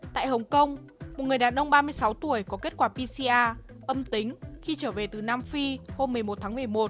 tại hồng kông một người đàn ông ba mươi sáu tuổi có kết quả pcr âm tính khi trở về từ nam phi hôm một mươi một tháng một mươi một